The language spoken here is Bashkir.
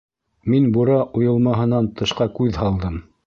Мин бура уйылмаһынан тышҡа күҙ һалдым.